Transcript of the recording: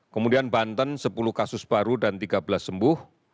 kemudian banten sepuluh kasus baru dan tiga belas sembuh